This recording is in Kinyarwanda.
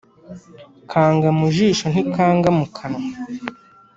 Kanga mu jisho ntikanga mu kanwa.